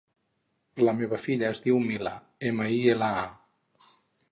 La meva filla es diu Mila: ema, i, ela, a.